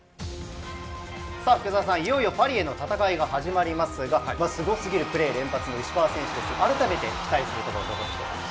福澤さん、いよいよパリへの戦いが始まりますがスゴすぎるプレー連発の石川選手あらためて期待するところどこでしょうか。